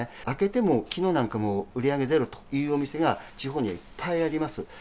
開けても、きのうなんかもう売り上げゼロというお店が、地方にはいっぱいあります。